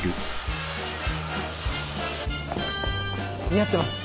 似合ってます。